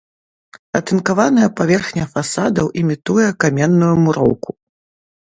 Атынкаваная паверхня фасадаў імітуе каменную муроўку.